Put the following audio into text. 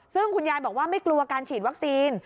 ซึ่งคุณยายบอกว่าไม่กลัวการฉีดวัคซีน